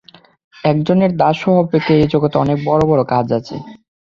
একজনের দাস হওয়া অপেক্ষা এই জগতে অনেক বড় বড় কাজ আছে।